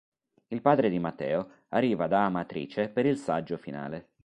Il padre di Matteo arriva da Amatrice per il saggio finale.